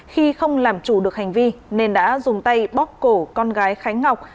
khi không làm chủ được hành vi nên đã dùng tay bóc cổ con gái khánh ngọc